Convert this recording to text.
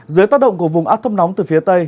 dưới tác động của vùng áp thấp nóng từ phía tây